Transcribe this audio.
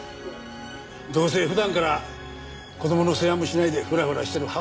どうせ普段から子供の世話もしないでふらふらしてる母親だ。